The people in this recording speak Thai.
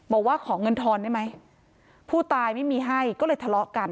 บอกว่าขอเงินทอนได้ไหมผู้ตายไม่มีให้ก็เลยทะเลาะกัน